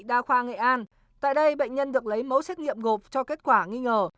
đa khoa nghệ an tại đây bệnh nhân được lấy mẫu xét nghiệm gộp cho kết quả nghi ngờ